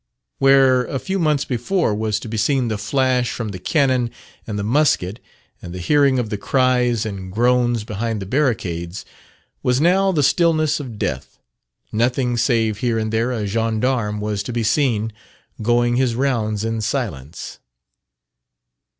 Where, a few months before was to be seen the flash from the cannon and the musket, and the hearing of the cries and groans behind the barricades, was now the stillness of death nothing save here and there a gens d'arme was to be seen going his rounds in silence.